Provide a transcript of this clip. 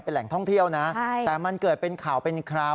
แหล่งท่องเที่ยวนะแต่มันเกิดเป็นข่าวเป็นคราว